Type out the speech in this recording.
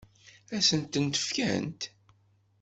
Ad sen-ten-fkent?